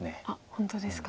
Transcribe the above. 本当ですか。